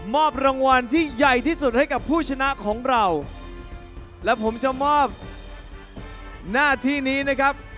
รางวัลที่ใหญ่ที่สุดให้กับผู้ชนะของเราและผมจะมอบหน้าที่นี้นะครับ